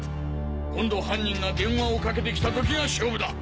今度犯人が電話をかけてきた時が勝負だ！